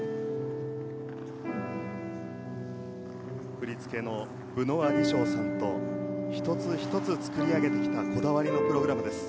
振り付けのブノワ・リショーさんと１つ１つ作り上げてきたこだわりのプログラムです。